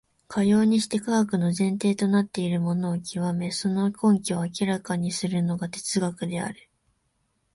かようにして科学の前提となっているものを究め、その根拠を明らかにするのが哲学である。